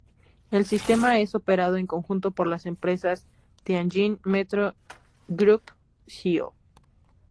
El sistema es operado en conjunto por las empresas Tianjin Metro Group Co.